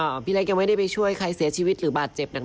พี่เล็กยังไม่ได้ไปช่วยใครเสียชีวิตหรือบาดเจ็บดัง